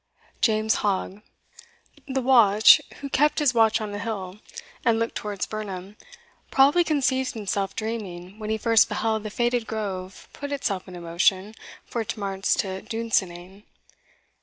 James Hogg. The watch who kept his watch on the hill, and looked towards Birnam, probably conceived himself dreaming when he first beheld the fated grove put itself into motion for its march to Dunsinane.